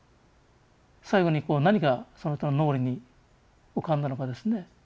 最後に何がその人の脳裏に浮かんだのかですね。